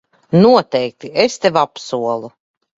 Noteikti, es tev apsolu.